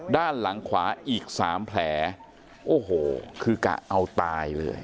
ด้านหลังขวาอีกสามแผลโอ้โหคือกะเอาตายเลย